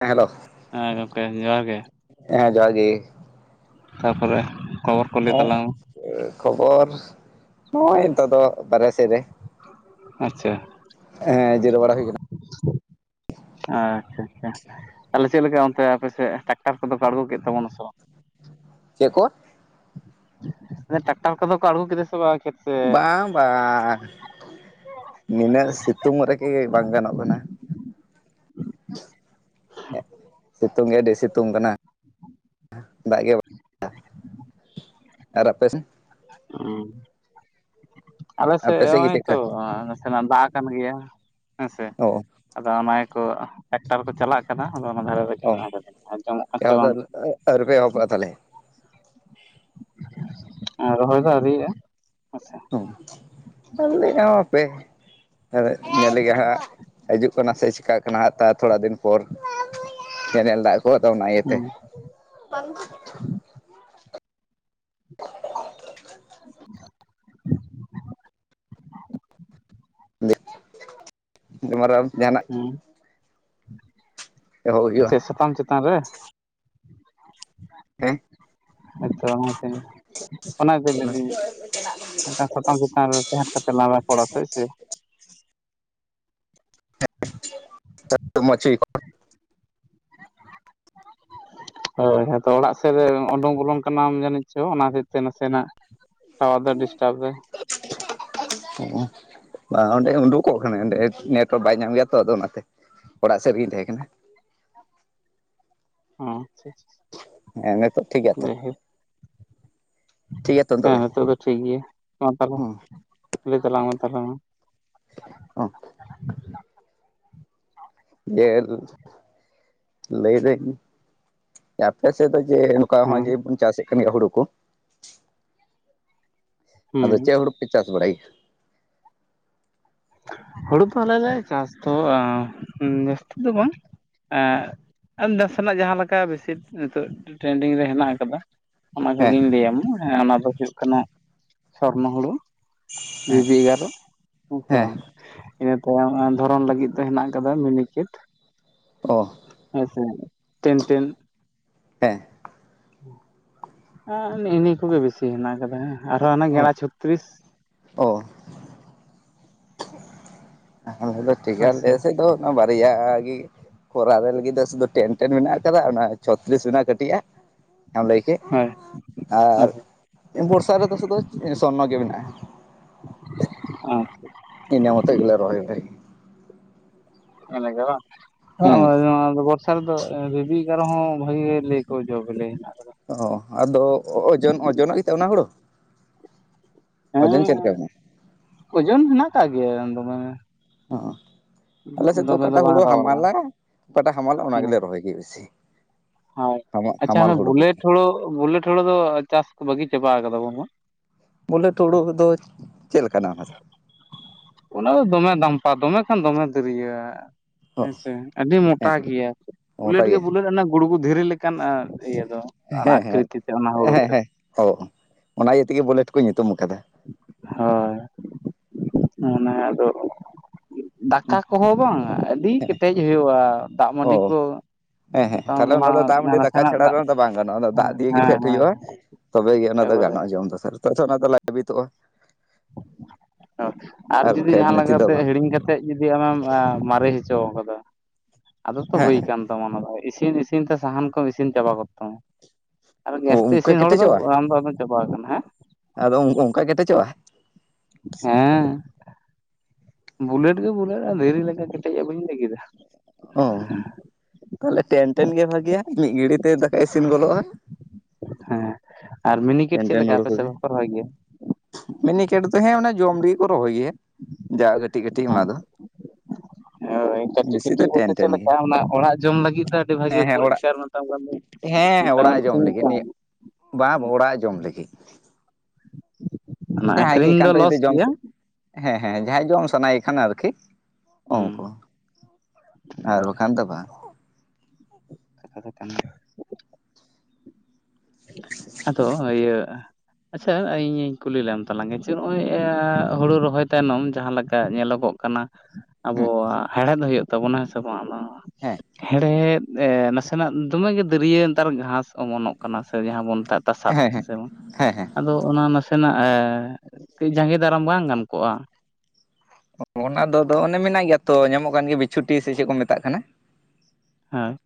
ᱦᱮᱸ ᱦᱮᱞᱳ, ᱦᱮᱸ ᱜᱚᱝᱠᱮ ᱡᱚᱦᱟᱨ ᱜᱮ᱾ ᱦᱮᱸ ᱡᱚᱦᱟᱨ ᱜᱤ᱾ ᱛᱟᱯᱚᱨᱮ ᱠᱷᱚᱵᱚᱨ ᱠᱚ ᱞᱮ ᱛᱟᱞᱟᱝ ᱢᱮ? ᱠᱷᱚᱵᱚᱨ ᱱᱚᱜᱼᱚᱭ ᱱᱤᱛᱚᱜ ᱫᱚ ᱵᱟᱨᱦᱮ ᱥᱮᱫ ᱨᱮ᱾ ᱟᱪᱪᱷᱟ᱾ ᱦᱮᱸ ᱡᱮᱫᱟᱹᱣ ᱵᱟᱲᱟ ᱦᱩᱭ ᱠᱟᱱᱟ᱾ ᱟᱪᱪᱷᱟ ᱪᱷᱟ ᱪᱷᱟ ᱛᱟᱦᱞᱮ ᱪᱮᱫ ᱞᱮᱠᱟ ᱚᱱᱛᱮ ᱟᱯᱮᱥᱮᱫ ᱴᱟᱠᱴᱟᱨ ᱠᱚᱼᱫᱚ ᱯᱮ ᱟᱬᱜᱳ ᱠᱮᱫ ᱛᱟᱵᱚᱱᱟ ᱥᱮ ᱵᱟᱝ? ᱪᱮᱫ ᱠᱚ? ᱴᱟᱠᱴᱟᱨ ᱠᱟᱫᱚ ᱠᱚ ᱟᱲᱜᱳ ᱠᱮᱫᱟ ᱥᱮ ᱵᱟᱝ ᱠᱷᱮᱛ? ᱥᱮ ᱵᱟᱝ ᱵᱟᱝ ᱱᱤᱱᱟᱹᱜ ᱥᱤᱛᱩᱝ ᱨᱮᱜᱮ ᱵᱟᱝ ᱜᱟᱱᱚᱜ ᱠᱟᱱᱟ᱾ ᱥᱤᱛᱩᱝ ᱜᱮ ᱟᱹᱰᱤ ᱥᱤᱛᱩᱝ ᱠᱟᱱᱟ ᱫᱟᱜ ᱜᱮ ᱵᱟᱝ᱾ ᱟᱨ ᱟᱯᱮᱥᱮᱱ? ᱟᱞᱮ ᱥᱮᱜ ᱟᱯᱮ ᱥᱮᱫ ᱜᱮ ᱪᱮᱫᱠᱟ ᱦᱚᱜᱚᱭᱼᱛᱚ ᱫᱟᱜ ᱟᱠᱟᱱ ᱜᱮᱭᱟ ᱦᱮᱸ ᱥᱮ᱾ ᱚ᱾ ᱟᱫᱚ ᱚᱱᱟ ᱜᱮ ᱠᱚ ᱴᱟᱠᱴᱟᱨ ᱠᱚ ᱪᱟᱞᱟᱜ ᱠᱟᱱᱟ ᱦᱚᱞᱟ ᱢᱚᱱᱮᱨ ᱦᱟᱹᱨᱤᱡ ᱜᱮ ᱚ ᱦᱮᱱᱟᱜᱼᱟ ᱟᱠᱟᱫᱟ ᱟᱡᱚᱢᱚᱜ ᱠᱟᱱ ᱪᱚ ᱮᱦᱚᱵ ᱫᱚ ᱵᱟᱝ ᱟᱹᱣᱨᱤᱯᱮ ᱮᱦᱚᱵᱚᱜᱼᱟ ᱛᱟᱦᱚᱞᱮ ᱨᱚᱦᱚᱭ ᱫᱚ ᱟᱹᱣᱨᱤ ᱭᱟᱜᱼᱟ ᱦᱮᱸ ᱥᱮ᱾ ᱟᱹᱞᱤᱧᱟᱜ ᱦᱚ ᱯᱮ ᱦᱮ ᱧᱮᱞ ᱞᱮᱜᱮᱭ ᱦᱟᱸᱜ ᱦᱤᱡᱩᱜ ᱠᱟᱱᱟ ᱥᱮ ᱪᱤᱠᱟᱹᱜ ᱠᱟᱱᱟ ᱟᱨ ᱛᱷᱚᱲᱟ ᱫᱤᱱ ᱯᱚᱨ᱾ ᱠᱮᱱᱮᱞ ᱫᱟᱜ ᱠᱚ ᱚᱱᱟ ᱤᱭᱟᱹ ᱛᱮ᱾ ᱦᱩᱸ [unintelligible] [unintelligible] ᱡᱟᱸᱦᱟ ᱱᱟᱜ? ᱮᱦᱚᱵ ᱦᱩᱭᱩᱜᱼᱟ [unintelligible] ᱥᱟᱛᱟᱢ ᱪᱮᱛᱟᱱ ᱨᱮ? ᱦᱮᱸ᱾ ᱦᱭᱼᱛᱚ ᱜᱚᱢ ᱠᱮ ᱚᱱᱟ ᱜᱮ ᱞᱮ ᱫᱤᱧ ᱢᱤᱫᱴᱟᱝ ᱥᱟᱛᱟᱢ ᱪᱮᱛᱟᱱ ᱨᱮ ᱛᱟᱦᱮᱸ ᱠᱟᱛᱮ ᱞᱟᱸᱝ ᱨᱚᱯᱚᱲᱼᱟ ᱥᱮ ᱪᱮᱜ? [unintelligible] ᱦᱳᱭ ᱟᱫᱚ ᱚᱲᱟᱜ ᱥᱮᱫ ᱨᱮ ᱩᱰᱳᱝ ᱵᱚᱞᱚᱱ ᱠᱟᱱᱟᱢ ᱡᱟᱹᱱᱤᱡ ᱪᱚ ᱚᱱᱟ ᱦᱚᱛᱮᱡ ᱛᱮ ᱱᱟᱥᱮ ᱱᱟᱜ ᱴᱟᱣᱟᱨ ᱫᱚ ᱰᱤᱥᱴᱟᱵ ᱫᱟᱭ [unintelligible] ᱚ ᱵᱟ ᱚᱸᱰᱮ ᱩᱰᱩᱠᱚᱜ ᱠᱟᱱᱟ ᱚᱸᱰᱮ ᱱᱮᱴᱚᱣᱟᱨᱠ ᱵᱟᱭ ᱧᱟᱢ ᱜᱮᱭᱟ ᱛᱚ ᱟᱫᱚ ᱚᱱᱟᱛᱮ ᱚᱲᱟᱜ ᱥᱮᱫ ᱨᱮᱜᱤᱧ ᱛᱟᱦᱮᱸ ᱠᱟᱱᱟ᱾ ᱦᱮᱸ ᱪᱷᱟ ᱪᱷᱟ ᱦᱮᱸ ᱱᱤᱛᱚᱜ ᱴᱷᱤᱠ ᱜᱮᱭᱟ ᱛᱚ? ᱴᱷᱤᱠ ᱜᱮᱭᱟ ᱛᱚ ᱱᱤᱛᱚᱜ ᱦᱮᱸ ᱦᱤᱛᱚᱜ ᱫᱚ ᱴᱷᱤᱠ ᱜᱮᱭᱟ ᱢᱟ ᱛᱟᱦᱚᱞᱮ ᱦᱮᱸ ᱞᱟᱹᱭ ᱛᱟᱞᱟᱝ ᱢᱮ ᱛᱟᱦᱞᱮ ᱢᱟ? ᱚᱻ ᱡᱮ ᱞᱟᱹᱭ ᱞᱮᱜ ᱢᱤᱭᱤᱧ ᱟᱯᱮ ᱥᱮᱫ ᱫᱚ ᱡᱮ ᱱᱚᱝᱠᱟ ᱦᱮᱸ ᱡᱮ ᱵᱚᱱ ᱪᱟᱥᱮᱫ ᱠᱟᱱ ᱜᱮᱭᱟ ᱦᱩᱲᱩ ᱠᱚᱼᱼ ᱟᱫᱚ ᱦᱩᱸ ᱪᱮᱫ ᱦᱩᱲᱩᱯᱮ ᱪᱟᱥ ᱵᱟᱲᱟᱭ ᱜᱮᱭᱟ? ᱦᱩᱲᱩ ᱫᱚ ᱟᱞᱮ ᱞᱮ ᱪᱟᱥ ᱫᱚ ᱡᱟᱹᱥᱛᱤ ᱫᱚ ᱵᱟᱝᱼᱼ ᱱᱟᱥᱮᱱᱟᱜ ᱡᱟᱦᱟᱸ ᱞᱮᱠᱟ ᱵᱮᱥᱤ ᱱᱤᱛᱚᱜ ᱴᱨᱮᱱᱰᱤᱝ ᱨᱮ ᱦᱮᱱᱟᱜ ᱟᱠᱟᱫᱟ᱾ ᱚᱱᱟ ᱦᱮᱸ ᱠᱚᱜᱤᱧ ᱞᱟᱹᱭᱟᱢᱟ ᱦᱮᱸ ᱚᱱᱟ ᱫᱚ ᱦᱩᱭᱩᱜ ᱠᱟᱱᱟ ᱥᱚᱨᱱᱚ ᱦᱩᱲᱩ। ᱵᱤᱵᱤ ᱮᱜᱟᱨᱚ ᱦᱮᱸ ᱥᱮ ᱵᱟᱝ ᱦᱮᱸᱼᱼ ᱤᱱᱟᱹ ᱛᱟᱭᱚᱢ ᱫᱷᱚᱨᱚᱱ ᱞᱟᱹᱜᱤᱫ ᱫᱚ ᱦᱮᱱᱟᱜ ᱟᱠᱟᱫᱟ ᱢᱤᱱᱤ ᱠᱮᱴᱼᱼ ᱚ ᱦᱮᱸ ᱥᱮ ᱴᱮᱱ ᱴᱮᱱ, ᱦᱮᱸ ᱮ ᱱᱮᱜᱼ ᱱᱤᱭᱟᱹ ᱠᱚᱜᱮ ᱵᱮᱥᱤ ᱦᱮᱱᱟᱜ ᱠᱟᱫᱟ। ᱟᱨᱦᱚᱸ ᱦᱟᱱᱮ ᱜᱮᱲᱟ ᱪᱷᱚᱛᱨᱤᱥᱼᱼ ᱚᱼᱼ ᱟᱞᱮ ᱫᱚ ᱴᱷᱤᱠ ᱦᱳᱭ ᱥᱮ ᱜᱮᱭᱟ ᱚᱱᱟ ᱵᱟᱨᱭᱟ ᱜᱮ ᱠᱷᱚᱨᱟ ᱨᱮ ᱞᱟᱹᱜᱤᱫ ᱫᱚ ᱥᱩᱫᱩ ᱴᱮᱱ। ᱴᱮᱱ ᱢᱮᱱᱟᱜ ᱟᱠᱟᱫᱟ ᱚᱱᱟ ᱪᱷᱚᱛᱨᱤᱥ ᱨᱮᱱᱟᱜ ᱠᱟᱹᱴᱤᱡ ᱟ ᱚᱱᱟ ᱞᱟᱹᱭ ᱠᱮᱫ ᱦᱳᱭ ᱟᱨᱼᱼ ᱦᱳᱭ ᱵᱚᱨᱥᱟ ᱨᱮᱫᱚ ᱥᱩᱫᱩ ᱥᱚᱨᱱᱚ ᱜᱮ ᱢᱮᱱᱟᱜᱼᱟ᱾ ᱟᱨ ᱤᱱᱟᱹᱢᱚᱛᱚ ᱜᱮᱞᱮ ᱨᱚᱦᱚᱭ ᱟ ᱵᱷᱟ [unintelligible] ᱦᱮᱸ ᱱᱮᱛᱟᱨ ᱫᱚ ᱵᱤᱵᱤ ᱮᱜᱟᱨᱚ ᱦᱚᱸ ᱵᱷᱟᱹᱜᱤ ᱞᱟᱹᱭ ᱟᱠᱚ ᱡᱚ ᱵᱮᱞᱮ ᱦᱮᱱᱟᱜᱼᱟ। ᱚ ᱟᱫᱚ ᱳᱡᱚᱱ ᱳᱡᱚᱱᱟᱜ ᱜᱮᱛ ᱚᱱᱟ ᱦᱩᱲᱳᱼᱼ ᱚᱡᱚᱱ ᱪᱮᱫ ᱦᱮᱸ ᱞᱮᱠᱟ ᱢᱮᱱᱟᱜᱼᱟ? ᱳᱡᱚᱱ ᱦᱮᱱᱟᱜ ᱟᱠᱟᱫ ᱜᱮᱭᱟ ᱫᱚ ᱢᱟᱱᱮᱼᱼ ᱚ ᱟᱞᱮ ᱥᱮᱫ ᱫᱚ ᱚᱠᱟᱴᱟᱜ ᱵᱟᱝ ᱦᱩᱲᱩ ᱨᱟᱣᱟᱞᱟ ᱦᱟᱢᱟᱞᱟ, ᱚᱠᱟᱴᱟᱜ ᱦᱟᱢᱟᱞᱟ ᱚᱱᱟ ᱦᱮᱸ ᱜᱮᱞᱮ ᱨᱚᱦᱚᱭ ᱜᱮᱭᱟ ᱵᱮᱥᱤ। ᱦᱳᱭ ᱦᱟᱢᱟᱞ ᱟᱪᱪᱷᱟ ᱦᱟᱢᱟᱞ ᱚᱱᱟ ᱦᱩᱲᱩ ᱠᱚᱜᱮ ᱵᱩᱞᱮᱴᱹ ᱦᱩᱲᱩ ᱵᱩᱞᱮᱴ ᱦᱩᱲᱳ ᱫᱚ ᱪᱟᱥ ᱵᱟᱹᱜᱤ ᱪᱟᱵᱟ ᱠᱟᱫᱟ ᱵᱟᱝ? ᱵᱩᱞᱮᱴ ᱦᱩᱲᱩ ᱫᱚ ᱪᱮᱫ ᱞᱮᱠᱟᱱᱟ ᱚᱱᱟ ᱫᱚ? ᱚᱱᱟ ᱫᱚ ᱫᱚᱢᱮ ᱫᱟᱢᱯᱟ ᱫᱚᱢᱮ ᱠᱷᱟᱱ ᱫᱚᱢᱮ ᱫᱤᱨᱭᱟᱹ ᱚ ᱦᱮᱸᱥᱮ ᱟᱹᱰᱤ ᱦᱮᱸ ᱢᱚᱴᱟ ᱜᱮᱭᱟ ᱵᱩᱞᱮᱴ ᱢᱚᱴᱟ ᱜᱮ ᱜᱮᱭᱟ ᱵᱩᱞᱮᱴ ᱚᱱᱟ ᱜᱩᱲᱜᱩ ᱫᱷᱤᱨᱤ ᱞᱮᱠᱟᱱ। ᱤᱭᱟᱹ ᱫᱚ ᱦᱮᱸ ᱚᱱᱟ ᱦᱮᱸ ᱟᱠᱨᱤᱛᱤ ᱛᱮᱜ ᱚᱱᱟ ᱦᱩᱲᱩ ᱦᱮᱸ ᱛᱮᱜ। ᱦᱮᱸ ᱚ ᱚ ᱚᱱᱟ ᱤᱭᱟᱹ ᱛᱮᱜᱮ ᱵᱩᱞᱮᱴ ᱠᱚ ᱧᱩᱛᱩᱢ ᱟᱠᱟᱫᱟ। ᱦᱳᱭ। ᱚᱫᱟ ᱫᱚ ᱫᱟᱠᱟ ᱠᱚᱦᱚᱸ ᱵᱟᱝᱼᱟ ᱟᱹᱰᱤ ᱠᱮᱴᱮᱡ ᱦᱩᱭᱩᱜᱼᱟ, ᱫᱟᱜ ᱢᱟᱹᱰᱤ ᱚ ᱠᱚᱼᱼ ᱦᱮᱸ ᱦᱮᱸ ᱛᱟᱦᱚᱞᱮ ᱚᱱᱟ ᱫᱚ ᱫᱟᱜ ᱢᱟᱹᱰᱤ ᱫᱟᱠᱟ ᱪᱷᱟᱲᱟ ᱫᱟᱜ ᱨᱮ ᱫᱚ ᱵᱟᱝ ᱜᱟᱱᱚᱜᱼᱟ ᱫᱚ ᱫᱟᱜ ᱫᱤᱭᱮ ᱜᱮ ᱦᱮᱸ ᱯᱷᱮᱰ ᱦᱮᱸ ᱦᱩᱭᱩᱜᱼᱟ। ᱛᱚᱵᱮᱜᱮ ᱚᱱᱟ ᱫᱚ ᱮᱠᱵᱟᱨᱮ ᱜᱟᱱᱚᱜᱼᱟ ᱡᱚᱢ ᱫᱚ ᱛᱚᱱᱟ ᱫᱚ ᱞᱟᱹᱵᱤᱛᱚᱜᱼᱟ। ᱟᱨ ᱡᱩᱫᱤ ᱵᱟᱠᱷᱟᱡ ᱡᱟᱦᱟᱸ ᱮᱢᱱᱤ ᱞᱮᱠᱟ ᱛᱮᱫᱚ ᱠᱟᱛᱮᱜ ᱵᱟᱝ ᱦᱤᱲᱤᱧ ᱠᱟᱛᱮ ᱡᱩᱫᱤᱢ ᱢᱟᱨᱮ ᱦᱚᱪᱚ ᱦᱚᱪᱚ ᱟᱠᱟᱫᱟ ᱟᱫᱚ ᱛᱚ ᱦᱮᱸ ᱦᱮᱸ ᱦᱩᱭ ᱠᱟᱱ ᱛᱟᱼᱼ ᱚᱱᱟ ᱫᱚ ᱤᱥᱤᱱ ᱤᱥᱤᱱ ᱛᱮ ᱥᱟᱦᱟᱱ ᱠᱚᱢ ᱤᱥᱤᱱ ᱪᱟᱵᱟ ᱠᱚᱜ ᱛᱟᱢᱟ। ᱟᱨ ᱚ ᱜᱮᱥ ᱛᱮ ᱚᱱᱠᱟ ᱤᱥᱤᱱ ᱦᱚᱲ ᱫᱚ ᱠᱮᱴᱮᱡᱚᱜᱼᱟ ᱟᱢ ᱫᱚ ᱟᱫᱚᱢ ᱪᱟᱵᱟ ᱟᱠᱟᱱᱟ᱾ ᱦᱮᱸ ᱟᱫᱚ ᱚᱝ ᱚᱝᱠᱟ ᱠᱮᱴᱮᱪᱚᱜ-ᱟ? ᱦᱮᱸ, ᱵᱩᱞᱮᱴ ᱜᱮ ᱵᱩᱞᱮᱴ, ᱟᱨ ᱫᱷᱤᱨᱤ ᱞᱮᱠᱟ ᱠᱮᱴᱮᱡ-ᱟ ᱵᱟᱹᱧ ᱞᱟᱭ ᱠᱮᱫᱟ᱾ ᱦᱩᱸ, ᱛᱟᱦᱞᱮ ᱴᱮᱱ ᱴᱮᱱ ᱜᱮ ᱵᱷᱟᱜᱤᱭᱟ ᱢᱤᱫ ᱜᱷᱟᱲᱤᱡ ᱛᱮ ᱫᱟᱠᱟ ᱤᱥᱤᱱ ᱜᱚᱫᱚᱜ-ᱟ᱾ ᱦᱮᱸ ᱟᱨ ᱢᱤᱱᱤᱠᱮᱴ ᱴᱮᱱ ᱪᱮᱫ ᱴᱮᱱ ᱞᱮᱠᱟ ᱦᱩᱲᱩ ᱟᱯᱮ ᱥᱮᱫ ᱠᱚᱜᱮ ᱵᱟᱠᱚ ᱨᱚᱦᱚᱭ ᱜᱮᱭᱟ? ᱢᱤᱱᱤᱠᱮᱴ ᱫᱚ ᱦᱮᱸ ᱚᱱᱟ ᱡᱚᱢ ᱞᱟᱹᱜᱤᱫ ᱠᱚ ᱨᱚᱦᱚᱭ ᱜᱮᱭᱟ ᱡᱟ ᱠᱟᱹᱴᱤᱡ ᱠᱟᱹᱴᱤᱡ ᱚᱱᱟ ᱫᱚ᱾ ᱦᱳᱭ, ᱠᱟᱹᱴᱤᱡ ᱵᱮᱥᱤ ᱫᱚ ᱠᱟᱹᱴᱤᱡ ᱵᱚᱞᱛᱮ ᱴᱮᱱ ᱪᱮᱫ ᱴᱮᱱ ᱜᱮ ᱞᱮᱠᱟ ᱚᱱᱟ ᱚᱲᱟᱜ ᱡᱚᱢ ᱞᱟᱹᱜᱤᱫ ᱫᱚ ᱟᱹᱰᱤ ᱵᱷᱟᱜᱤ ᱦᱮᱸ ᱦᱮᱸ ᱚᱲᱟᱜ ᱯᱚᱨᱤᱥᱠᱟᱨ ᱢᱮᱛᱟᱢ ᱠᱟᱱ ᱫᱩᱧ। ᱢᱚᱴᱟᱢᱩᱴᱤ ᱪᱷᱤᱢ ᱪᱷᱟᱢ᱾ ᱵᱟ ᱵᱚ ᱚᱲᱟᱜ ᱡᱚᱢ ᱞᱟᱹᱜᱤᱫ᱾ ᱚᱱᱟ ᱡᱟᱦᱟᱸᱭ ᱜᱮ ᱟᱠᱷᱨᱤᱧ ᱫᱚ ᱮᱠᱟᱱᱛᱚ ᱞᱚᱥ ᱡᱩᱫᱤ ᱡᱚᱢ ᱜᱮᱭᱟ ᱥᱮ, ᱦᱮᱸ ᱦᱮᱸ ᱡᱟᱦᱟᱸᱭ ᱡᱚᱢ ᱥᱟᱱᱟᱭᱮ ᱠᱷᱟᱱ ᱟᱨᱠᱤ᱾ ᱚ ᱦᱚ, ᱦᱩᱸ ᱟᱨ ᱮᱵᱟᱨᱮ ᱵᱟᱠᱷᱟᱱ ᱫᱚ ᱵᱟᱝ᱾ ᱠᱟᱛᱷᱟ ᱫᱚ ᱠᱟᱱ ᱜᱮᱭᱟ᱾ ᱟᱫᱚ ᱤᱭᱟᱹ ᱟᱪᱪᱷᱟ ᱤᱧᱤᱧ ᱠᱩᱞᱤ ᱞᱮᱢ ᱛᱟᱞᱟᱝ ᱜᱮ, ᱡᱮ ᱱᱚᱜ-ᱚᱭ ᱦᱩᱲᱩ ᱨᱚᱦᱚᱭ ᱛᱟᱭᱱᱚᱢ ᱡᱟᱦᱟᱸ ᱞᱟᱠ ᱠᱟ ᱧᱮᱞᱚᱜᱚᱜ ᱠᱟᱱᱟ ᱦᱮᱸ ᱟᱵᱚᱣᱟᱜ ᱦᱮᱲᱦᱮᱫ ᱦᱩᱭᱩᱜ ᱛᱟᱵᱚᱱᱟ ᱦᱮᱸ ᱥᱮ ᱵᱟᱝ ‌ᱱᱚᱣᱟ ᱦᱮᱸ ᱦᱮᱲᱦᱮᱫ ᱮᱻ ᱱᱟᱥᱮᱱᱟᱜ ᱫᱚᱢᱮ ᱜᱮ ᱫᱟᱹᱨᱭᱟᱹ ᱱᱮᱛᱟᱨ ᱜᱷᱟᱸᱥ ᱚᱢᱚᱱᱚᱜ ᱠᱟᱱᱟ ᱥᱮ ᱡᱟᱦᱟᱸ ᱵᱚᱱ ᱢᱮᱛᱟᱜ ᱛᱟᱥᱟᱫ ᱦᱮᱸ ᱥᱮ ᱵᱟᱝ, ᱦᱮᱸ ᱦᱮᱸ ᱟᱫᱚ ᱚᱱᱟ ᱱᱟᱥᱮ ᱥᱮᱱᱟᱜ ᱮᱻ, ᱠᱟᱺᱡ ᱡᱟᱸᱜᱮ ᱫᱟᱨᱟᱢ ᱵᱟᱝ ᱜᱟᱱ ᱠᱚᱜ-ᱟ? ᱚᱱᱟ ᱫᱚ ᱟᱫᱚ, ᱚᱱᱮ ᱢᱮᱱᱟᱜ ᱜᱮᱭᱟ ᱛᱚ ᱧᱟᱢᱚᱜ ᱠᱟᱱ ᱜᱮᱭᱟ ᱵᱤᱪᱷᱩᱴᱤ ᱥᱮ ᱪᱮᱫ ᱠᱩ ᱢᱮᱛᱟᱜ ᱠᱟᱱᱟ? ᱦᱮᱸ᱾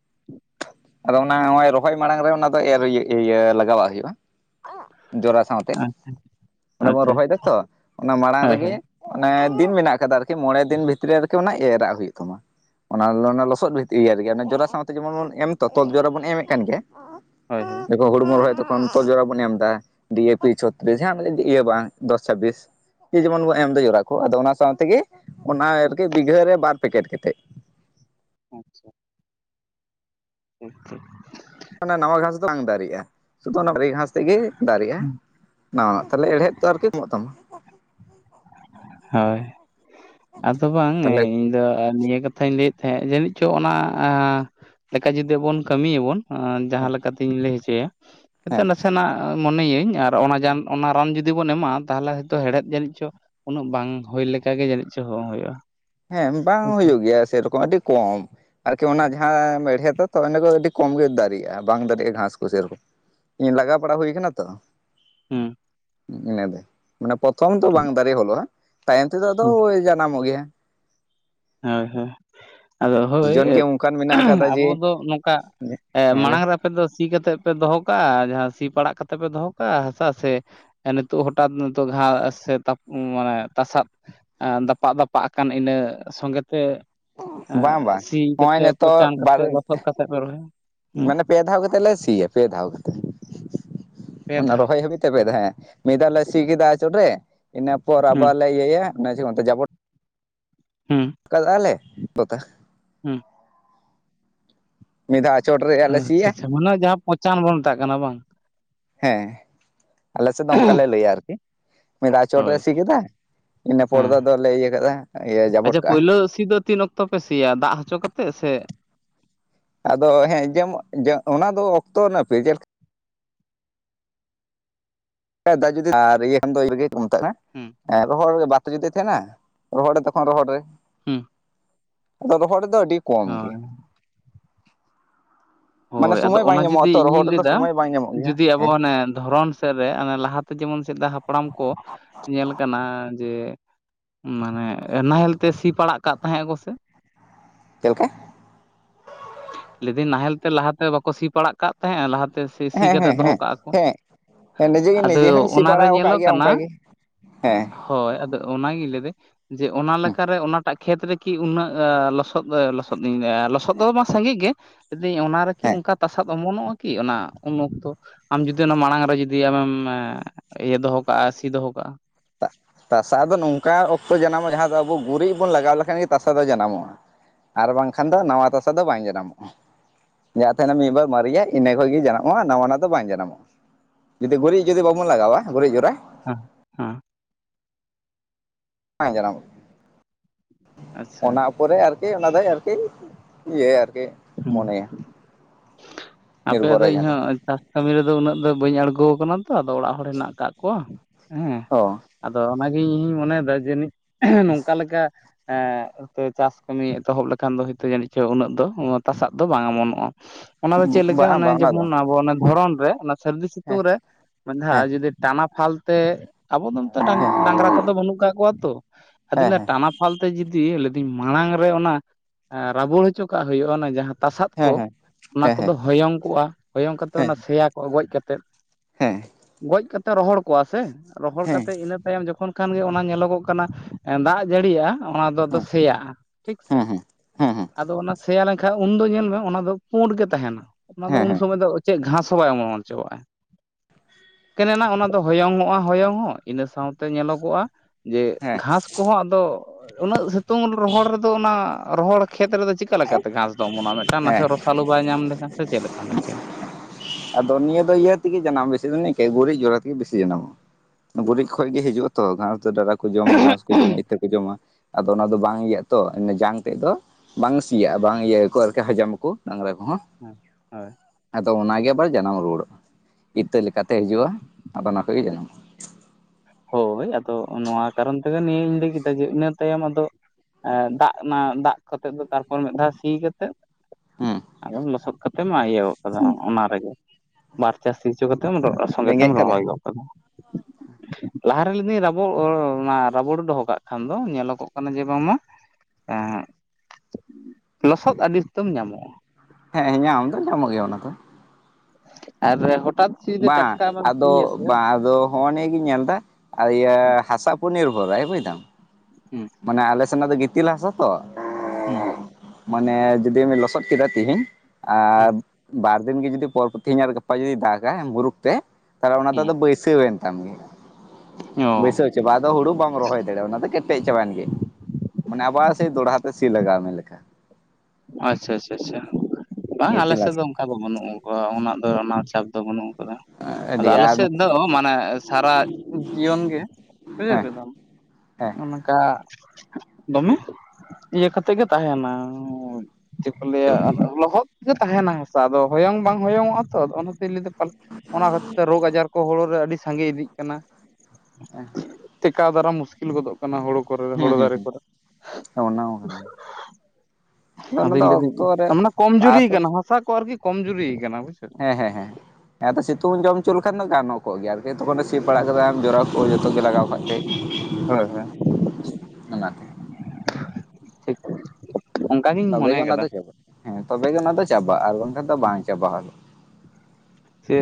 ᱟᱫᱚ ᱚᱱᱟ ᱱᱚᱜ-ᱚᱭ ᱨᱚᱦᱚᱭ ᱢᱟᱲᱟᱝ ᱨᱮ ᱚᱱᱟ ᱫᱚ ᱮᱨ ᱤᱭᱟᱹ ᱞᱟᱜᱟᱣᱟᱜ ᱦᱩᱭᱩᱜ-ᱟ᱾ ᱡᱚᱨᱟ ᱥᱟᱶᱛᱮ, ᱚᱸᱰᱮ ᱵᱚᱱ ᱟᱪᱪᱷᱟ ᱨᱚᱦᱚᱭ ᱫᱟ ᱛᱚ ᱚᱱᱟ ᱢᱟᱲᱟᱝ ᱦᱳᱭ ᱨᱮᱜᱮ ᱚᱱᱮ ᱫᱤᱱ ᱢᱮᱱᱟᱜ ᱠᱟᱫᱟ ᱟᱨᱠᱤ ᱢᱚᱬᱮ ᱫᱤᱱ ᱵᱷᱤᱛᱨᱤ ᱟᱨᱠᱤ ᱚᱱᱟ ᱮᱨᱟᱜ ᱦᱩᱭᱩᱜ ᱛᱟᱢᱟ᱾ ᱚᱱᱟ ᱚᱱᱟ ᱞᱚᱥᱚᱫ ᱤᱭᱟᱹ ᱨᱮᱜᱮ ᱡᱚᱨᱟ ᱥᱟᱶᱛᱮ ᱡᱮᱢᱚᱱ ᱵᱚᱱ ᱮᱢ ᱛᱚ ᱛᱚᱞ ᱡᱚᱨᱟ ᱵᱚᱱ ᱮᱢᱮᱫ ᱠᱟᱱ ᱜᱮᱭᱟ᱾ ᱦᱳᱭ ᱦᱳᱭ᱾ ᱦᱮᱸ, ᱦᱩᱲᱩᱢᱩᱲᱩ ᱠᱷᱟᱡ ᱫᱚ ᱠᱚ ᱡᱚᱛᱚ ᱡᱚᱨᱟ ᱮᱢ ᱮᱫᱟ, ᱰᱤ. ᱮ. ᱯᱤ. ᱪᱷᱚᱛᱨᱤᱥ ᱡᱟᱦᱟᱸᱱᱟᱜ ᱢᱟᱱᱮ ᱤᱭᱟᱹ ᱵᱟᱝ ᱫᱚᱥ ᱪᱷᱟᱵᱵᱤᱥ᱾ ᱡᱮ ᱡᱮᱢᱚᱱ ᱵᱚᱱ ᱮᱢᱫᱟ ᱡᱚᱨᱟ ᱠᱚ ᱟᱫᱚ ᱚᱱᱟ ᱥᱟᱶᱛᱮᱜᱮ ᱚᱱᱟ ᱟᱨᱠᱤ ᱵᱤᱜᱷᱟᱹ ᱨᱮ ᱵᱟᱨ ᱯᱮᱠᱮᱴ ᱠᱟᱛᱮᱫ᱾ ᱟᱪᱪᱷᱟ᱾ ᱳᱠᱮ᱾ ᱚᱱᱟ ᱱᱟᱣᱟ ᱜᱷᱟᱸᱥ ᱫᱚ ᱵᱟᱝ ᱫᱟᱨᱮᱜ-ᱟ ᱥᱩᱫᱩ ᱚᱱᱟ ᱢᱟᱨᱮ ᱜᱷᱟᱸᱥ ᱛᱮᱜᱮ ᱫᱟᱨᱮᱜ-ᱟ᱾ ᱱᱟᱣᱟᱱᱟᱜ, ᱛᱟᱦᱞᱮ ᱦᱮᱲᱦᱮᱫ ᱛᱚ ᱟᱨᱠᱤ ᱠᱚᱢᱚᱜ ᱛᱟᱢᱟ᱾ ᱦᱳᱭ ᱟᱫᱚ ᱵᱟᱝ ᱛᱟᱦᱚᱞᱮ ᱤᱧ ᱫᱚ ᱱᱤᱭᱟᱹ ᱠᱟᱛᱷᱟ ᱠᱟᱛᱷᱟᱹᱧ ᱞᱟᱹᱭᱮᱫ ᱛᱟᱦᱮᱸᱜ ᱡᱟᱸᱱᱤᱡ ᱪᱚ ᱚᱱᱟ ᱞᱮᱠᱟ ᱡᱩᱫᱤ ᱵᱚᱱ ᱠᱟᱹᱢᱤᱭᱟᱵᱚᱱ ᱦᱚᱸᱻ, ᱡᱟᱦᱟᱸ ᱞᱮᱠᱟᱛᱤᱧ ᱞᱟᱹᱭ ᱦᱚᱪᱚᱭᱟ, ᱟᱨ ᱦᱮᱸ ᱛᱟᱦᱞᱮ ᱱᱟᱥᱮᱱᱟᱜ ᱢᱚᱱᱮᱭᱟᱹᱧ ᱟᱨ ᱚᱱᱟ ᱡᱟᱝ, ᱦᱮᱸ ᱚᱱᱟ ᱨᱟᱱ ᱡᱩᱫᱤ ᱵᱚᱱ ᱮᱢᱟᱜ-ᱟ ᱛᱟᱦᱞᱮ ᱦᱚᱭᱛᱳ ᱦᱮᱲᱦᱮᱫ ᱡᱟᱹᱱᱤᱡ ᱪᱚ ᱩᱱᱟᱹᱜ ᱵᱟᱝ ᱦᱩᱭ ᱞᱮᱠᱟᱜᱮ ᱡᱟᱹᱱᱤᱡ᱾ ᱪᱮᱫ ᱦᱚᱸ ᱵᱟᱝ ᱦᱩᱭᱩᱜ-ᱟ᱾ ᱦᱮᱸ ᱵᱟᱝ ᱦᱩᱭᱩᱜ ᱜᱮᱭᱟ ᱥᱮᱨᱚᱠᱚᱢ ᱟᱹᱰᱤ ᱠᱚᱢ᱾ ᱟᱨᱠᱤ ᱚᱱᱟ ᱡᱟᱦᱟᱸᱢ ᱦᱮᱲᱦᱮᱫ ᱟᱛᱚ ᱚᱸᱰᱮ ᱫᱚ ᱟᱹᱰᱤ ᱠᱚᱢ ᱜᱮ ᱫᱟᱨᱤᱜ-ᱟ ᱵᱟᱝ ᱫᱟᱨᱤᱜ-ᱟ ᱜᱷᱟᱸᱥ ᱠᱚ ᱥᱮᱨᱚᱠᱚᱢ᱾ ᱤᱧ ᱞᱟᱜᱟ ᱵᱟᱲᱟ ᱦᱩᱭ ᱟᱠᱟᱱᱟ ᱛᱚ᱾ ᱦᱩᱸ᱾ ᱤᱱᱟᱹ ᱫᱚ ᱢᱟᱱᱮ ᱯᱨᱚᱛᱷᱚᱢ ᱛᱚ ᱵᱟᱝ ᱫᱟᱨᱮ ᱦᱚᱞᱚᱜ-ᱟ, ᱛᱟᱭᱚᱢ ᱛᱮᱫᱚ ᱟᱫᱚ ᱦᱩᱸ ᱦᱳᱭ ᱡᱟᱱᱟᱢᱚᱜ ᱜᱮᱭᱟ᱾ ᱦᱮᱸ ᱦᱮᱸ᱾ ᱟᱫᱚ ᱦᱳᱭ ᱥᱤᱡᱚᱱ ᱜᱮ ᱚᱱᱠᱟᱱ ᱢᱮᱱᱟᱜ ᱟᱠᱟᱫᱟ ᱟᱵᱚ ᱡᱮ ᱫᱚ ᱱᱚᱝᱠᱟ ᱦᱮᱸ ᱢᱟᱲᱟᱝ ᱨᱮᱼᱼ ᱟᱯᱮ ᱫᱚ ᱥᱤ ᱠᱟᱛᱮ ᱯᱮ ᱫᱚᱦᱚ ᱠᱟᱜ-ᱟ ᱡᱟᱦᱟᱸ ᱥᱤ ᱯᱟᱲᱟᱜ ᱠᱟᱛᱮ ᱯᱮ ᱫᱚᱦᱚ ᱠᱟᱜ-ᱟ ᱦᱟᱥᱟ ᱥᱮ ᱱᱤᱛᱚᱜ ᱦᱚᱴᱟᱛ ᱱᱤᱛᱚᱜ ᱜᱷᱟ ᱥᱮ ᱢᱟᱱᱮ ᱛᱟᱥᱟᱵ ᱫᱟᱯᱟᱜ ᱫᱟᱯᱟᱜ ᱟᱠᱟᱱ ᱤᱱᱟᱹ ᱥᱚᱸᱜᱮ ᱛᱮ ᱵᱟᱝ ᱵᱟᱝ ᱥᱤ ᱱᱚᱜᱼᱚᱭ ᱠᱟᱛᱮ ᱱᱤᱛᱚᱜ ᱯᱚᱪᱟᱱ ᱵᱟᱨ ᱠᱟᱛᱮᱜ ᱞᱚᱥᱚᱫ ᱠᱟᱛᱮᱜ ᱯᱮ ᱨᱚᱦᱚᱭᱟ ᱾ ᱢᱟᱱᱮ ᱯᱮ ᱫᱷᱟᱣ ᱠᱟᱛᱮᱜ ᱞᱮ ᱥᱤᱭᱟ ᱯᱮ ᱫᱷᱟᱣ ᱠᱟᱛᱮᱜ ᱯᱮ ᱚᱱᱮ ᱫᱷᱟᱣ ᱨᱚᱦᱚᱭ ᱦᱟᱹᱵᱤᱡ ᱾ ᱯᱮ ᱫᱷᱟᱣ ᱦᱮᱸ ᱢᱤᱫ ᱫᱷᱟᱣ ᱞᱮ ᱥᱤ ᱠᱮᱫᱟ ᱟ ᱪᱚᱴᱨᱮ ᱤᱱᱟᱹ ᱯᱚᱨ ᱦᱩᱸ ᱟᱵᱟᱨ ᱞᱮ ᱤᱭᱟᱹᱭᱟ ᱡᱟᱵᱚᱴ ᱾ ᱦᱩᱸ, ᱠᱟᱜᱼᱟ ᱞᱮ ᱯᱚᱛᱟ ᱦᱩᱸ, ᱢᱤᱫ ᱫᱷᱟᱣ ᱪᱚᱴ ᱨᱮ ᱟᱪᱪᱷᱟ ᱟᱪᱪᱷᱟ ᱢᱟᱱᱮ ᱡᱟᱦᱟᱸ ᱯᱚᱪᱟᱱ ᱵᱚᱱ ᱢᱮᱛᱟᱜ ᱠᱟᱱᱟ ᱵᱟᱝ? ᱦᱮᱸ ᱟᱞᱮ ᱥᱮᱫ ᱫᱚ ᱚᱝᱠᱟ ᱞᱮ ᱞᱟᱹᱭᱟ ᱟᱨᱠᱤ ᱾ ᱢᱤᱫ ᱫᱷᱟᱣ ᱪᱚᱴᱨᱮ ᱦᱳᱭ ᱥᱤ ᱠᱮᱫᱟ ᱤᱱᱟᱹ ᱯᱚᱨ ᱦᱮᱸ ᱫᱚ ᱟᱫᱚᱞᱮ ᱤᱭᱟᱹ ᱠᱟᱫ-ᱟ ᱤᱭᱟᱹ ᱡᱟᱵᱚᱴ ᱟᱪᱪᱷᱟ ᱠᱟᱜᱼᱟ, ᱯᱳᱭᱞᱳ ᱥᱤ ᱫᱚ ᱛᱤᱱ ᱚᱠᱛᱚ? ᱛᱚ ᱯᱮ ᱥᱤᱭᱟ ᱫᱟᱜ ᱦᱚᱪᱚ ᱠᱟᱛᱮᱜ ᱥᱮ ᱟᱫᱚ ᱦᱮᱸ ᱡᱮᱢ ᱡᱮᱢᱚᱱ ᱚᱱᱟ ᱫᱚ ᱚᱠᱛᱚ ᱱᱟᱹᱯᱤᱛ, ᱪᱟ ᱫᱟᱜ ᱡᱩᱫᱤ ᱟᱨ ᱤᱭᱟᱹ ᱠᱷᱟᱱ ᱫᱚ ᱜᱮ ᱤᱭᱟᱹ ᱠᱚ ᱢᱮᱛᱟᱜᱼᱟ ᱦᱩᱸ ᱨᱚᱦᱚᱭ ᱚᱠᱛᱚ ᱡᱩᱫᱤ ᱛᱟᱦᱮᱸᱱᱟ ᱨᱚᱦᱚᱲ ᱨᱮ ᱛᱚᱠᱷᱚᱱ ᱨᱚᱦᱚᱲ ᱨᱮ ᱾ ᱦᱩᱸ, ᱛᱚ ᱨᱚᱦᱚᱲ ᱨᱮ ᱫᱚ ᱟᱹᱰᱤ ᱠᱚᱢ ᱜᱮ ᱦᱳᱭ, ᱢᱟᱱᱮ ᱦᱳᱭ ᱟᱫᱚ ᱥᱚᱢᱚᱭ ᱚᱱᱟ ᱵᱟᱝ ᱧᱟᱢᱚᱜᱼᱟ ᱡᱩᱫᱤ ᱛᱚ ᱨᱚᱦᱚᱲ ᱤᱧᱤᱧ ᱨᱮᱫᱚ ᱞᱟᱹᱭᱫᱟ ᱥᱚᱢᱚᱭ ᱵᱟᱝ ᱧᱟᱢᱚᱜ ᱜᱮᱭᱟ ᱡᱩᱫᱤ ᱟᱵᱚ ᱦᱮᱸ ᱚᱱᱮ ᱫᱷᱚᱨᱚᱱ [unintelligible] ᱨᱮ ᱞᱟᱦᱟᱛᱮ ᱡᱮᱢᱚᱱ ᱥᱮᱫᱟᱭ ᱦᱟᱯᱲᱟᱢ ᱠᱚ ᱧᱮᱞ ᱠᱟᱱᱟ ᱡᱮ ᱢᱟᱱᱮ ᱱᱟᱦᱮᱞ ᱛᱮ ᱥᱤ ᱯᱟᱲᱟᱜ ᱠᱟᱜ ᱛᱟᱦᱮᱸᱜ ᱠᱚ ᱥᱮ? ᱪᱮᱞᱮᱠᱟ? ᱞᱟᱹᱭᱫᱤᱧ ᱱᱟᱦᱮᱞ ᱛᱮ ᱞᱟᱦᱟ ᱛᱮ ᱵᱟᱠᱚ ᱥᱤ ᱯᱟᱲᱟᱜ ᱠᱟᱜ ᱛᱟᱦᱮᱸᱜ ᱟ ᱞᱟᱦᱟᱛᱮ ᱥᱤ ᱦᱮᱸ ᱦᱮᱸ ᱠᱟᱛᱮᱜ ᱫᱚᱦᱚ ᱠᱟᱜᱼᱟ ᱠᱚ ᱦᱮᱸ ᱦᱮᱸ ᱱᱤᱡᱮ ᱜᱮ ᱟᱫᱚ ᱱᱤᱡᱮ ᱦᱚᱧ ᱥᱤ ᱚᱱᱟᱨᱮ ᱵᱟᱲᱟᱣᱟᱠᱟᱫ ᱧᱮᱞᱚᱜ ᱜᱮᱭᱟ ᱠᱟᱱᱟ ᱚᱱᱠᱟᱜ ᱜᱮ, ᱦᱮᱸ ᱾ ᱦᱳᱭ ᱟᱫᱚ ᱚᱱᱟᱜᱤ ᱞᱟᱹᱭᱫᱤ ᱡᱮ ᱚᱱᱟ ᱦᱮᱸ ᱞᱮᱠᱟᱨᱮ ᱚᱱᱟᱴᱟᱜ ᱠᱷᱮᱛ ᱨᱮᱠᱤ ᱩᱱᱟᱹᱜ ᱞᱚᱥᱚᱫ ᱞᱚᱥᱚᱫ [unintelligible] ᱚᱱᱟ ᱨᱮ ᱠᱤ ᱚᱱᱠᱟ ᱛᱟᱥᱟᱵ ᱚᱢᱚᱱᱚᱜᱼᱟ ᱠᱤ ᱚᱱᱟ ᱩᱱ ᱚᱠᱛᱚ? ᱟᱢ ᱡᱩᱫᱤ ᱚᱱᱟ ᱢᱟᱲᱟᱝ ᱨᱮ ᱡᱩᱫᱤ ᱟᱢᱮᱢ ᱤᱭᱟᱹ ᱫᱚᱦᱚ ᱠᱟᱜᱼᱟ ᱥᱤ ᱫᱚᱦᱚ ᱠᱟᱜᱼᱟ ᱾ ᱛᱟ ᱛᱟᱥᱟ ᱫᱚ ᱱᱚᱝᱠᱟ ᱚᱠᱛᱚ ᱡᱟᱱᱟᱢᱚᱜᱼᱟ ᱡᱟᱦᱟᱸ ᱫᱚ ᱟᱵᱚ ᱜᱩᱨᱤᱡ ᱵᱚᱱ ᱞᱟᱜᱟᱣ ᱞᱮᱠᱷᱟᱱ ᱜᱮ ᱛᱟᱥᱟ ᱫᱚ ᱡᱟᱱᱟᱢᱚᱜᱼᱟ ᱾ ᱟᱨ ᱵᱟᱝᱠᱷᱟᱱ ᱫᱚ ᱱᱟᱣᱟ ᱫᱚᱥᱟ ᱫᱚ ᱵᱟᱝ ᱡᱟᱱᱟᱢᱚᱜᱼᱟ, ᱡᱟᱦᱟᱸ ᱛᱟᱦᱮᱱᱟ ᱢᱤᱫ ᱵᱟᱨ ᱢᱟᱨᱮᱭᱟᱜ ᱤᱱᱟᱹ ᱠᱷᱚᱡ ᱜᱮ ᱡᱟᱱᱚᱜᱼᱟ ᱱᱟᱣᱟ ᱱᱟ ᱫᱚ ᱵᱟᱝ ᱡᱟᱱᱟᱚᱜᱼᱟ᱾ ᱡᱩᱫᱤ ᱜᱩᱨᱤᱡᱽ ᱡᱩᱫᱤ ᱵᱟᱵᱚᱱ ᱞᱟᱜᱟᱣᱟ ᱜᱩᱨᱤᱡᱽ ᱠᱚᱨᱮ ᱦᱮᱸ ᱦᱮᱸ, ᱵᱟᱝ ᱡᱟᱱᱟᱢᱚᱜᱼᱟ ᱦᱮᱸ ᱟᱪᱪᱷᱟ ᱚᱱᱟ ᱯᱚᱨᱮ ᱟᱨᱠᱤ ᱚᱱᱟ ᱫᱚᱭ ᱟᱨᱠᱤ ᱤᱭᱟᱹᱭᱟ ᱟᱨᱠᱤ ᱾ ᱦᱩᱸ ᱟᱯᱮ ᱫᱚ ᱱᱤᱨᱵᱷᱚᱨᱟᱭ ᱤᱧ ᱡᱟᱦᱟᱸ ᱦᱚᱸ [inaudible] ᱠᱟᱹᱢᱤ ᱨᱮᱫᱚ ᱩᱱᱟᱹᱜ ᱫᱚ ᱵᱟᱹᱧ ᱟᱬᱜᱚᱣᱟᱠᱟᱱᱟ ᱛᱚ ᱟᱫᱚ ᱚᱲᱟᱜ ᱦᱚᱲ ᱦᱮᱱᱟᱜ ᱟᱠᱟᱫ ᱠᱚᱣᱟ ᱦᱮᱸ, ᱚ ᱟᱫᱚ ᱚᱱᱟᱜᱮ ᱤᱧᱤᱧ ᱢᱚᱱᱮᱭᱮᱫᱟ ᱡᱮ ᱱᱤᱛ ᱱᱚᱝᱠᱟ ᱞᱮᱠᱟ ᱮ ᱛᱮ ᱪᱟᱥ ᱠᱟᱹᱢᱤ ᱮᱛᱚᱦᱚᱵ ᱞᱮᱠᱷᱟᱱ ᱫᱚ ᱦᱚᱭᱛᱳ ᱡᱟᱱᱤᱡ ᱪᱚ ᱩᱱᱟᱹᱜ ᱫᱚ ᱛᱟᱥᱟᱜ ᱫᱚ ᱵᱟᱝ ᱚᱢᱚᱱᱚᱜᱼᱟ, ᱚᱱᱟ ᱫᱚ ᱪᱮᱫ ᱞᱮᱠᱟ ᱵᱟᱝ ᱚᱱᱮ ᱵᱟᱝ ᱚᱱᱟ ᱫᱚ ᱡᱮᱢᱚᱱ ᱟᱵᱚ ᱚᱱᱮ ᱫᱷᱚᱨᱚᱱ ᱨᱮ ᱥᱟᱹᱨᱫᱤ ᱦᱮᱸ ᱥᱤᱛᱩᱝ ᱨᱮ ᱢᱮᱱ ᱦᱮᱸ [inaudible] ᱡᱩᱫᱤ ᱴᱟᱱᱟ ᱯᱷᱟᱞ ᱛᱮ ᱟᱵᱚ ᱫᱚ ᱱᱚᱛᱮ ᱰᱟᱝ ᱰᱟᱝᱨᱟ ᱠᱚᱫᱚ ᱵᱟᱹᱱᱩᱜ ᱠᱟᱜ ᱠᱚᱣᱟ ᱛᱚ ᱟᱫᱚᱧ ᱦᱮᱸ ᱞᱟᱹᱭ ᱦᱮᱸ ᱫᱟ ᱴᱟᱱᱟ ᱯᱷᱟᱞ ᱛᱮ ᱡᱩᱫᱤ ᱞᱟᱹᱭᱫᱟᱹᱧ ᱢᱟᱲᱟᱝ ᱨᱮ ᱚᱱᱟ, ᱮᱸ ᱨᱟᱵᱩᱲ ᱦᱚᱪᱚ ᱠᱟᱜ ᱦᱩᱭᱩᱜᱼᱟ [unintelligible] ᱛᱟᱥᱟᱫ ᱠᱚ, ᱦᱮᱸ ᱚᱱᱟ ᱦᱮᱸ ᱦᱮᱸ ᱠᱚᱫᱚ ᱦᱚᱭᱚᱝ ᱠᱚᱜᱼᱟ ᱦᱚᱭᱚᱝ ᱠᱟᱛᱮᱫ ᱚᱱᱟ ᱥᱮᱭᱟ ᱠᱚᱜ-ᱟ ᱜᱚᱡ ᱠᱟᱛᱮᱫ ᱦᱮᱸ᱾ ᱜᱚᱡ ᱠᱟᱛᱮ ᱨᱚᱦᱚᱲ ᱠᱚᱜ-ᱟ ᱥᱮ, ᱨᱚᱦᱚᱲ ᱦᱮᱸ ᱦᱮᱸ ᱠᱟᱛᱮ ᱤᱱᱟᱹ ᱛᱟᱭᱚᱢ ᱡᱚᱠᱷᱚᱱ ᱠᱷᱟᱱ ᱜᱮ ᱚᱱᱟ ᱧᱮᱞᱚᱜᱚᱜ ᱠᱟᱱᱟ ᱮᱸ ᱫᱟᱜ ᱡᱟᱹᱲᱤᱜᱼᱟ, ᱚᱱᱟ ᱫᱚ ᱟᱫᱚ ᱥᱮᱭᱟᱜᱼᱟ ᱴᱷᱤᱠ ᱥᱮ, ᱦᱮᱸ ᱦᱮᱸ ᱦᱮᱸ ᱦᱮᱸ ᱦᱮᱸ ᱦᱮᱸ ᱟᱫᱚ ᱚᱱᱟ ᱥᱮᱭᱟ ᱞᱮ ᱠᱷᱟᱡ ᱩᱱᱫᱚ ᱧᱮᱞ ᱢᱮ ᱚᱱᱟ ᱫᱚ ᱯᱩᱸᱰ ᱜᱮ ᱛᱟᱦᱮᱸᱱᱟ, ᱚᱱᱟ ᱫᱚ ᱦᱮᱸ ᱦᱮᱸ ᱩᱱ ᱥᱚᱢᱚᱭ ᱫᱚ ᱪᱮᱫ ᱜᱷᱟᱥ ᱦᱚᱸ ᱵᱟᱭ ᱚᱢᱚᱱ ᱦᱚᱪᱚᱣᱟᱜᱼᱟᱭ᱾ ᱠᱮᱱᱮ ᱱᱟ ᱚᱱᱟ ᱫᱚ ᱦᱚᱭᱚᱝᱚᱜ-ᱟ ᱦᱚᱭᱚᱝ ᱦᱚᱸ ᱤᱱᱟᱹ ᱥᱟᱶᱛᱮ ᱧᱮᱞᱚᱜᱚᱜ-ᱟ, ᱡᱮ ᱦᱮᱸ ᱜᱷᱟᱥ ᱠᱚᱦᱚᱸ ᱟᱫᱚ, ᱩᱱᱟᱹᱜ ᱥᱤᱛᱩᱝ ᱨᱚᱦᱚᱲ ᱨᱮᱫᱚ ᱚᱱᱟ ᱨᱚᱦᱚᱲ ᱠᱷᱮᱛ ᱨᱮᱫᱚ ᱪᱤᱠᱟ ᱞᱮ ᱛᱮ ᱜᱷᱟᱸᱥ ᱫᱚ ᱚᱢᱚᱱᱚᱜ-ᱟ, ᱢᱤᱫᱴᱟᱝ ᱦᱮᱸ ᱱᱟᱥᱮ ᱨᱚᱥᱟᱞᱳ ᱵᱟᱭ ᱧᱟᱢ ᱞᱮᱠᱷᱟᱱ ᱥᱮ ᱪᱮᱫ ᱞᱮᱠᱟᱢ ᱞᱟᱹᱭ ᱦᱚᱪᱚᱭᱮᱫ᱾ ᱟᱫᱚ ᱱᱤᱭᱟᱹ ᱫᱚ ᱤᱭᱟᱹ ᱛᱮᱜᱮ ᱡᱟᱱᱟᱢ ᱵᱮᱥᱤ ᱫᱚ ᱱᱤᱝᱠᱟᱹ ᱜᱩᱨᱤᱡ ᱡᱚᱨᱟ ᱛᱮᱜᱮ ᱵᱮᱥᱤ ᱡᱟᱱᱟᱢᱚᱜᱼᱟ᱾ ᱜᱩᱨᱤᱡ ᱠᱷᱚᱡ ᱜᱮ ᱦᱤᱡᱩᱜ-ᱟ ᱛᱚ ᱜᱷᱟᱸᱥ ᱫᱚ ᱰᱟᱝᱨᱟ ᱠᱚ ᱡᱚᱢᱟ ᱜᱷᱟᱸᱥ ᱠᱚ ᱡᱚᱢᱟ ᱤᱛᱟᱹ ᱠᱚ ᱡᱚᱢᱟ, ᱟᱫᱚ ᱚᱱᱟ ᱫᱚ ᱵᱟᱝ ᱤᱭᱟᱹᱜ-ᱟ ᱛᱚ ᱚᱱᱮ ᱡᱟᱝ ᱛᱮᱫ ᱫᱚ ᱵᱟᱝ ᱥᱤᱭᱟᱜᱼᱟ ᱵᱟᱝ ᱤᱭᱟᱹᱭᱟᱠᱚ ᱟᱨᱠᱤ ᱦᱟᱡᱟᱢᱟᱠᱚ ᱰᱟᱝᱨᱟ ᱠᱚᱦᱚᱸ᱾ ᱦᱮᱸ ᱦᱳᱭ᱾ ᱟᱫᱚ ᱚᱱᱟ ᱜᱮ ᱟᱵᱟᱨ ᱡᱟᱱᱟᱢ ᱨᱩᱩᱭᱟᱹᱲᱚᱜᱼᱟ, ᱤᱛᱟᱹ ᱞᱮᱠᱟᱛᱮ ᱦᱤᱡᱩᱜᱼᱟ, [unintelligible] ᱛᱮᱜᱮ ᱡᱟᱱᱟᱢᱚᱜ-ᱟ᱾ ᱦᱳᱭ ᱟᱫᱚ ᱱᱚᱣᱟ ᱠᱟᱨᱚᱱ ᱛᱮᱜᱮ ᱱᱤᱭᱟᱹᱧ ᱞᱟᱹᱭ ᱠᱮᱫᱟ ᱡᱮ ᱤᱱᱟᱹ ᱛᱟᱭᱚᱢ ᱟᱫᱚ ᱮᱸ ᱫᱟᱜ ᱚᱱᱟ ᱫᱟᱜ ᱠᱚᱛᱮ ᱫᱚ ᱛᱟᱨᱯᱚᱨ ᱢᱤᱫ ᱫᱷᱟᱣ ᱥᱤ ᱠᱟᱛᱮᱫ ᱦᱩᱸ ᱟᱫᱚᱢ ᱞᱚᱥᱚᱫ ᱠᱟᱛᱮᱢ ᱢᱟ ᱤᱭᱟᱹ ᱜᱚᱜ ᱠᱟᱫᱟ ᱚᱱᱟ ᱨᱮᱜᱮ᱾ ᱵᱟᱨ ᱪᱟᱥ ᱥᱤ ᱦᱚᱪᱚ ᱠᱟᱛᱮᱢ ᱨᱚᱦᱚ ᱥᱚᱸᱜᱮ ᱛᱮᱢ ᱵᱮᱸᱜᱮᱫ ᱠᱟᱫᱟᱭ ᱨᱚᱦᱚᱭ ᱜᱚᱜ ᱠᱟᱫᱟ᱾ ᱞᱟᱦᱟᱨᱮ ᱞᱟᱹᱭᱫᱤᱧ ᱨᱟᱵᱚᱲ ᱚᱱᱟ ᱨᱟᱵᱚᱲ ᱫᱚᱦᱚ ᱠᱟᱜ ᱠᱷᱟᱱ ᱫᱚ ᱧᱮᱞᱚᱜᱚᱜ ᱠᱟᱱᱟ ᱡᱮ ᱵᱟᱝᱢᱟ, ᱮᱸᱜ, ᱞᱚᱥᱚᱫ ᱟᱰᱤ ᱩᱥᱛᱟᱹᱢ ᱧᱟᱢᱚᱜᱼᱟ᱾ ᱦᱮᱸ ᱧᱟᱢ ᱫᱚ ᱧᱟᱢᱚᱜ ᱜᱮᱭᱟ ᱚᱱᱟ ᱫᱚ᱾ ᱟᱨ ᱦᱚᱴᱟᱛ ᱡᱩᱫᱤ ᱵᱟᱝ ᱴᱟᱴᱠᱟ ᱵᱟᱢ ᱟᱫᱚ ᱥᱤᱭᱟ ᱥᱮ ᱵᱟᱝ ᱟᱫᱚ ᱦᱚᱸᱜᱼᱚᱭ ᱱᱤᱭᱟᱹ ᱜᱤᱧ ᱧᱮᱞ ᱮᱫᱟ, ᱟᱨ ᱤᱭᱟᱹ ᱦᱟᱥᱟ ᱳᱯᱚᱨ ᱱᱤᱨᱵᱷᱚᱨᱟᱭ ᱵᱩᱡ ᱫᱟᱢ᱾ ᱦᱩᱸ᱾ ᱢᱟᱱᱮ ᱟᱞᱮ ᱥᱮᱱᱟᱜ ᱫᱚ ᱜᱤᱛᱤᱞ ᱦᱟᱥᱟ ᱛᱚ, ᱦᱩᱸ᱾ ᱢᱟᱱᱮ ᱡᱩᱫᱤᱢ ᱞᱚᱥᱚᱫ ᱠᱮᱫᱟ ᱛᱤᱦᱤᱧ ᱦᱩᱸ [unintelligible] ᱵᱟᱨ ᱫᱤᱱ ᱜᱮ ᱡᱩᱫᱤ ᱯᱚᱨ ᱯᱚᱨ ᱛᱮᱦᱮᱧ ᱟᱨ ᱜᱟᱯᱟ ᱡᱩᱫᱤ ᱫᱟᱜᱟᱭ ᱢᱩᱨᱩᱠ ᱛᱮ, ᱛᱟᱦᱚᱞᱮ ᱚᱱᱟ ᱫᱚ ᱦᱩᱸ ᱟᱫᱚ ᱵᱟᱹᱭᱥᱟᱹᱣ ᱮᱱ ᱛᱟᱢ ᱜᱮ, ᱚ ᱵᱟᱹᱭᱥᱟᱹᱣ ᱦᱚᱪᱚ ᱵᱟ ᱟᱫᱚ ᱦᱩᱲᱩ ᱵᱟᱢ ᱨᱚᱦᱚᱭ ᱫᱟᱲᱮᱭᱟᱜᱼᱟ ᱚᱱᱟ ᱫᱚ ᱠᱮᱴᱮᱡ ᱪᱟᱵᱟ ᱮᱱ ᱜᱮ᱾ ᱢᱟᱱᱮ ᱟᱵᱟᱨ ᱥᱮ ᱫᱚᱲᱦᱟ ᱛᱮ ᱥᱤ ᱞᱟᱜᱟᱣ ᱢᱮ ᱞᱮᱠᱷᱟ᱾ ᱟᱪᱪᱷᱟ ᱟᱪᱪᱷᱟ ᱟᱪᱪᱷᱟ ᱵᱟᱝ ᱟᱞᱮ ᱜᱤᱛᱤᱞ ᱥᱮᱫ ᱦᱟᱥᱟ ᱫᱚ ᱚᱝ ᱠᱟ‌ ᱫᱚ ᱵᱟᱹᱱᱩᱜ ᱟᱠᱟᱫᱟ ᱩᱱᱟᱹᱜ ᱫᱚ ᱚᱱᱟ ᱪᱟᱯ ᱫᱚ ᱵᱟᱹᱱᱩᱜ ᱟᱠᱟᱫᱟ᱾ ᱟᱫᱚ ᱟᱹᱰᱤ ᱟᱞᱮ ᱟᱨ ᱥᱮᱫ ᱫᱚ ᱢᱟᱱᱮ ᱥᱟᱨᱟ ᱡᱤᱭᱚᱱ ᱜᱮ ᱵᱩᱡᱷᱟᱹᱣ ᱦᱮᱸ ᱠᱮᱫᱟᱢ, ᱦᱮᱸ ᱚᱱᱠᱟ, ᱫᱚᱢᱮ ᱤᱭᱟᱹ ᱠᱟᱛᱮᱫ ᱜᱮ ᱛᱟᱦᱮᱸᱱᱟ᱾ ᱪᱮᱫ ᱠᱚ ᱞᱟᱹᱭᱟ ᱞᱚᱦᱚᱫ ᱜᱮ ᱛᱟᱦᱮᱸᱱᱟ ᱦᱟᱥᱟ ᱟᱫᱚ ᱦᱚᱭᱚᱝ ᱵᱟᱝ ᱦᱚᱭᱚᱝᱚᱜᱼᱟ ᱛᱚ ᱚᱱᱟ ᱛᱤᱧ ᱞᱟᱹᱭᱫᱟ ᱯᱟᱞᱮᱫ ᱚᱱᱟ ᱠᱷᱟᱹᱛᱤᱨ ᱛᱮ ᱨᱳᱜᱽ ᱟᱡᱟᱨ ᱠᱚ ᱦᱩᱲᱩ ᱨᱮ ᱟᱹᱰᱤ ᱥᱟᱺᱜᱮ ᱤᱫᱤᱜ ᱠᱟᱱᱟ᱾ ᱦᱮᱸ᱾ ᱴᱮᱠᱟᱣ ᱫᱟᱨᱟ ᱢᱩᱥᱠᱤᱞ ᱜᱚᱫᱚᱜ ᱠᱟᱱᱟ ᱦᱳᱲᱳ ᱠᱚᱨᱮ ᱦᱮᱸ ᱦᱳᱲᱳ ᱦᱮᱸ ᱫᱟᱨᱮ ᱦᱮᱸ, ᱠᱚᱨᱮ ᱦᱮᱸ ᱚᱱᱟ ᱦᱚᱸ ᱠᱟᱱ ᱜᱮ᱾ ᱟᱫᱚ ᱚᱱᱟ ᱟᱫᱚᱧ ᱫᱚ ᱞᱟᱹᱭᱫᱟᱹᱧ ᱚᱠᱛᱚ ᱨᱮ ᱢᱟᱱᱮ ᱠᱚᱢᱡᱩᱨᱤ ᱯᱟᱥᱚᱠ ᱠᱟᱱᱟ ᱦᱟᱥᱟ ᱠᱚ ᱟᱨᱠᱤ ᱠᱚᱢᱡᱩᱨᱤ ᱠᱟᱱᱟ ᱵᱩᱡᱷᱟᱹᱣ᱾ ᱦᱮᱸ ᱦᱮᱸ ᱦᱮᱸ, ᱦᱮᱸ ᱟᱫᱚ ᱥᱤᱛᱩᱝ ᱮᱢ ᱡᱚᱢ ᱦᱚᱪᱚ ᱞᱮᱠᱷᱟᱱ ᱫᱚ ᱜᱟᱱᱚᱜ ᱠᱚᱜ ᱜᱮᱭᱟ ᱟᱨᱠᱤ ᱛᱚᱠᱷᱚᱱ ᱫᱚ ᱥᱤ ᱯᱟᱲᱟᱜ ᱦᱳᱭ ᱠᱟᱫᱟᱢ ᱡᱚᱨᱟᱣ ᱠᱚ ᱡᱚᱛᱚ ᱜᱮ ᱞᱟᱜᱟᱣ ᱠᱟᱜ ᱛᱮ ᱦᱳᱭ ᱦᱳᱭ ᱚᱱᱟᱛᱮ ᱴᱷᱤᱠ ᱚᱱᱠᱟ ᱜᱤᱧ ᱢᱚᱱᱮ ᱛᱚᱵᱮᱜᱮ ᱚᱱᱟ ᱠᱟᱫᱟ ᱫᱚ ᱪᱟᱵᱟᱜ ᱦᱮᱸ ᱛᱚᱵᱮᱜᱮ ᱚᱱᱟ ᱫᱚ ᱪᱟᱵᱟᱜᱼᱟ ᱟᱨ ᱵᱟᱝᱠᱷᱟᱱ ᱫᱚ ᱵᱟᱝ ᱪᱟᱵᱟᱜ ᱟ ᱥᱮ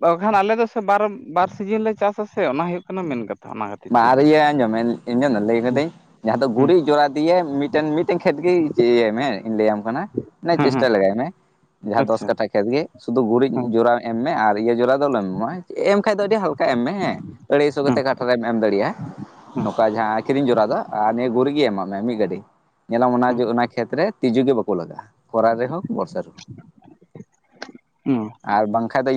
ᱵᱟᱠᱷᱟᱱ ᱟᱞᱮ ᱫᱚ ᱥᱮ ᱵᱟᱨ ᱵᱟᱨ ᱥᱤᱡᱤᱱ ᱞᱮ ᱪᱟᱥ ᱟ ᱥᱮ ᱚᱱᱟ ᱦᱩᱭᱩᱜ ᱠᱟᱱᱟ ᱢᱮᱱ ᱠᱟᱛᱷᱟ ᱚᱱᱟ ᱠᱷᱟᱹᱛᱤᱨ ᱵᱟᱝ ᱟᱨ ᱛᱮᱜᱮ ᱤᱭᱟᱹ ᱟᱡᱚᱢ ᱢᱮ ᱤᱧ [unintelligible] ᱞᱟᱹᱭ ᱦᱩᱸ ᱠᱟᱫᱤᱧ ᱡᱟᱦᱟᱸ ᱫᱚ ᱦᱩᱸ ᱜᱩᱨᱤᱡ ᱡᱚᱨᱟ ᱫᱤᱭᱮ ᱢᱤᱫᱴᱮᱱ ᱢᱤᱫᱴᱮᱱ ᱠᱷᱮᱛ ᱜᱮ ᱤᱭᱟᱹᱭ ᱢᱮ ᱤᱧ ᱞᱟᱹᱭᱟᱢ ᱠᱟᱱᱟ ᱦᱮᱸ ᱪᱮᱥᱴᱟ ᱦᱮᱸ ᱞᱮᱜᱟᱭ ᱢᱮ ᱡᱟᱦᱟᱸ ᱫᱚᱥ ᱟᱪᱪᱷᱟ ᱠᱟᱴᱷᱟ ᱠᱷᱮᱛ ᱜᱮ ᱥᱩᱫᱷᱩ ᱜᱩᱨᱤᱡ ᱦᱮᱸ ᱡᱚᱨᱟ ᱮᱢ ᱢᱮ ᱟᱨ ᱤᱭᱟᱹ ᱡᱚᱨᱟ ᱫᱚ ᱟᱞᱚᱢ ᱮᱢᱟ ᱮᱢ ᱠᱷᱟᱱ ᱫᱚ ᱟᱹᱰᱤ ᱦᱟᱞᱠᱟ ᱮᱢ ᱢᱮ ᱦᱮᱸ ᱟᱹᱲᱟᱹᱭᱥᱚ ᱦᱮᱸ ᱠᱟᱛᱮ [unintelligible] ᱮᱢ ᱫᱟᱲᱮᱭᱟᱜᱼᱟ ᱱᱚᱝᱠᱟ ᱡᱟᱦᱟᱸ ᱠᱤᱨᱤᱧ ᱡᱚᱨᱟ ᱫᱚ ᱟᱨ ᱱᱤᱭᱟᱹ ᱜᱩᱨᱤᱡ ᱜᱮ ᱮᱢᱟᱜ ᱢᱮ ᱢᱤᱫ ᱜᱟᱹᱰᱤ ᱧᱮᱞᱟᱢ ᱚᱱᱟ ᱦᱮᱸ ᱚᱱᱟ ᱠᱷᱮᱛᱨᱮ ᱛᱤᱡᱩ ᱜᱮ ᱵᱟᱠᱚ ᱞᱟᱜᱟᱜᱼᱟ ᱠᱚᱨᱟ ᱨᱮᱦᱚᱸ ᱯᱨᱚᱥᱮᱥ ᱦᱮᱸ ᱟᱨ ᱵᱟᱝᱠᱷᱟᱱ ᱫᱚ